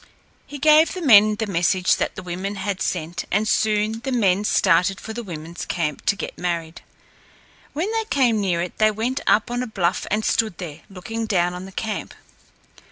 He gave the men the message that the woman had sent, and soon the men started for the woman's camp to get married. When they came near it, they went up on a bluff and stood there, looking down on the camp.